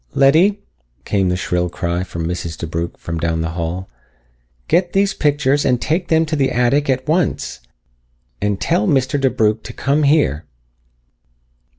"Letty!" came the shrill cry of Mrs. DeBrugh from down the hall. "Get these pictures and take them to the attic at once. And tell Mr. DeBrugh to come here."